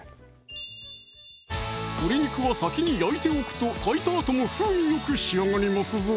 鶏肉は先に焼いておくと炊いたあとも風味よく仕上がりますぞ